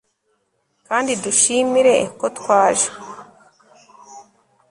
kandi dushimire ko twaje